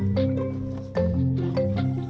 selamat datang di teluk benoa